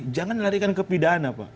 jangan larikan ke pidana